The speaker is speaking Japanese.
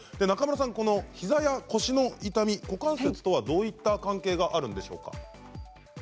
中村さん、膝や腰の痛みと股関節とはどういった関係があるんでしょうか？